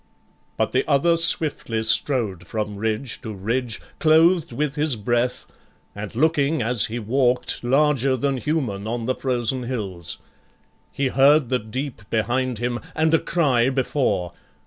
But the other swiftly strode from ridge to ridge, Clothed with his breath, and looking, as he walk'd, Larger than human on the frozen hills. He heard the deep behind him, and a cry Before.